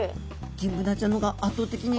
ギンブナちゃんの方が圧倒的に。